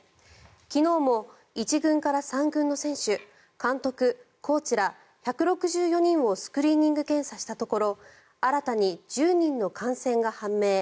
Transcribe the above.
昨日も１軍から３軍の選手監督、コーチら１６４人をスクリーニング検査したところ新たに１０人の感染が判明。